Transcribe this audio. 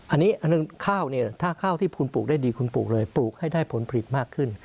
อันนี้ข้าวเนี่ยถ้าข้าวที่คุณปลูกได้ดีคุณปลูกเลยปลูกให้ได้ผลผลิตมากขึ้น